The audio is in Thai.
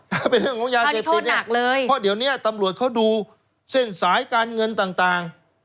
ถ้าเป็นเรื่องของยาเสพติดเนี่ยเพราะเดี๋ยวนี้ตำรวจเขาดูเส้นสายการเงินต่าง